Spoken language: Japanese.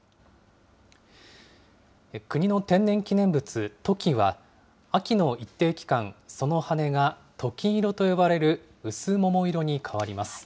国の天然記念物、トキは、秋の一定期間、その羽がトキ色と呼ばれる薄桃色に変わります。